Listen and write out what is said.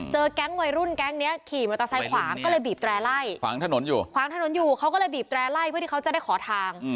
แก๊งวัยรุ่นแก๊งนี้ขี่มอเตอร์ไซค์ขวางก็เลยบีบแตร่ไล่ขวางถนนอยู่ขวางถนนอยู่เขาก็เลยบีบแร่ไล่เพื่อที่เขาจะได้ขอทาง